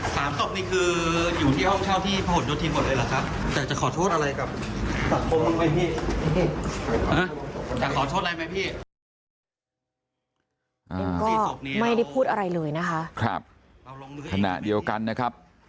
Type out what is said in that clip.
สามศพนี้คืออยู่ที่ห้องเช่าที่พระห่วงโจทย์ทีหมดเลยเหรอครับ